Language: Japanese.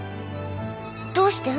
どうして？